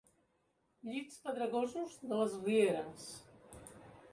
Llits pedregosos de les rieres.